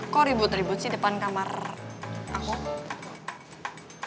kok ribut ribut sih depan kamar aku